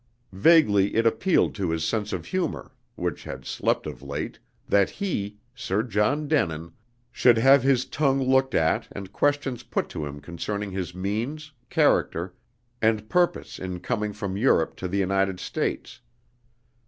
Vaguely it appealed to his sense of humor (which had slept of late) that he, Sir John Denin, should have his tongue looked at and questions put to him concerning his means, character, and purpose in coming from Europe to the United States.